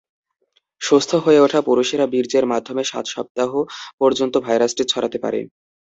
সুস্থ হয়ে ওঠা পুরুষেরা বীর্যের মাধ্যমে সাত সপ্তাহ পর্যন্ত ভাইরাসটি ছড়াতে পারে।